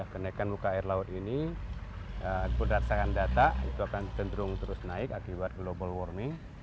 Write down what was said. kenaikan muka air laut ini berdasarkan data itu akan cenderung terus naik akibat global warming